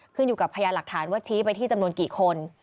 ขึ้นอยู่กับพยานหลักฐานว่าชี้ไปที่จำนวนกี่คน